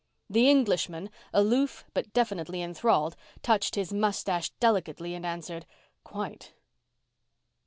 The Englishman, aloof but definitely enthralled, touched his mustache delicately and answered, "Quite."